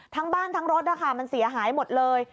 ทั้งรถมันเสียหายหมดเลย